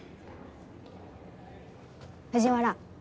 藤原。